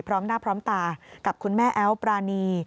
พร้อมหน้าพร้อมตากับคุณแม่แอ๊วปรานี